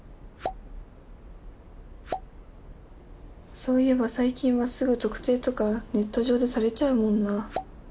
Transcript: そういえば最近はすぐ特定とかネット上でされちゃうもんな。